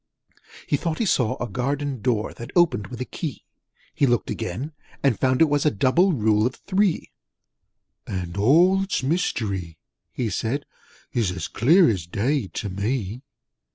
He thought he saw a Garden Door That opened with a key: He looked again, and found it was A Double Rule of Three: 'And all its mystery,' he said, 'Is clear as day to me!'